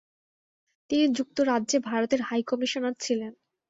তিনি যুক্তরাজ্যে ভারতের হাই কমিশনার ছিলেন।